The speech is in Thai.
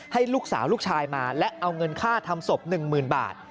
ให้ลูกสาวลูกชายมาและเอาเงินค่าทำศพ๑๐๐๐บาท